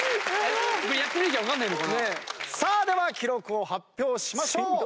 さあでは記録を発表しましょう。